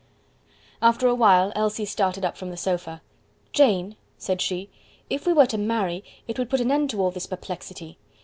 After a while Elsie started up from the sofa. "Jane," said she, "if we were to marry, it would put an end to all this perplexity.